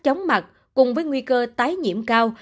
chống mặt cùng với nguy cơ tái nhiễm cao